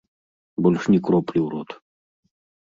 Больш ні кроплі ў рот.